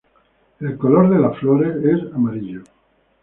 El color de las flores es amarillo.